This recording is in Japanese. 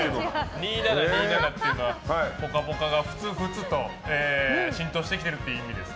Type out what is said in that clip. ２７２７というのは「ぽかぽか」がフツフツと浸透しているという意味です。